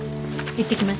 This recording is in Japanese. いってきます。